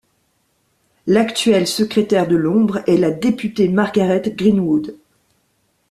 L'actuel secrétaire de l'ombre est la députée Margaret Greenwood.